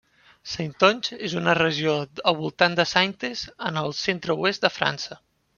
Saintonge és una regió al voltant de Saintes, en el centre-oest de França.